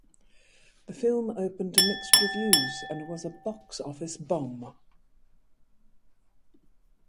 The film opened to mixed reviews and was a box office bomb.